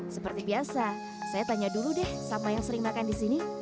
seperti biasa saya tanya dulu deh sama yang sering makan di sini